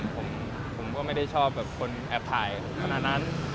ผมก็ไม่ได้ชอบแบบคนแอบถ่ายขนาดนั้น